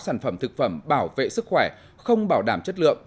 sản phẩm thực phẩm bảo vệ sức khỏe không bảo đảm chất lượng